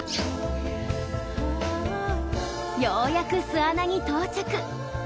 ようやく巣穴に到着。